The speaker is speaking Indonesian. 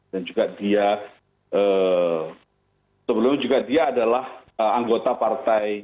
dan juga dia sebelumnya juga dia adalah anggota partai dari pdi presiden